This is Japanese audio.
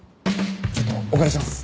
ちょっとお借りします。